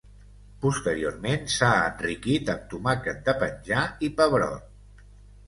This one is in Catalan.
Posteriorment s'ha enriquit amb tomàquet de penjar i pebrot.